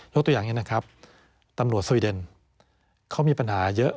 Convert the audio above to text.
ตัวอย่างนี้นะครับตำรวจสวีเดนเขามีปัญหาเยอะ